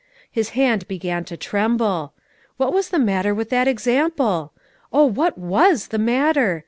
His hand began to tremble. What was the matter with that example? Oh, what was the matter?